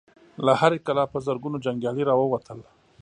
له هرې کلا په زرګونو جنګيالي را ووتل.